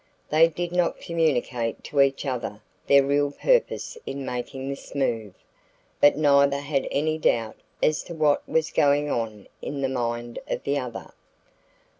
They did not communicate to each other their real purpose in making this move, but neither had any doubt as to what was going on in the mind of the other.